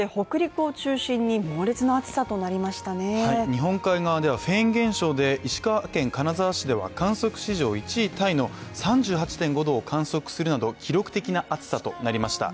日本海側ではフェーン現象で石川県金沢市では観測史上１位タイの３８．５度を観測するなど記録的な暑さとなりました。